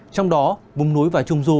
trong đó vùng núi và trung du